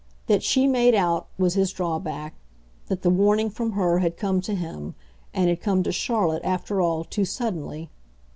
That she made out, was his drawback that the warning from her had come to him, and had come to Charlotte, after all, too suddenly.